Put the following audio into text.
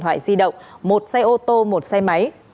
hai di động một xe ô tô một xe máy